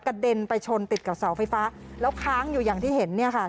เด็นไปชนติดกับเสาไฟฟ้าแล้วค้างอยู่อย่างที่เห็นเนี่ยค่ะ